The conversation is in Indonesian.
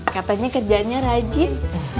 katanya kerjaannya rajin